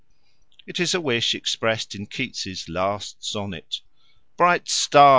It is the wish expressed in Keats's last sonnet: Bright star!